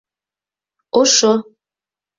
Ошо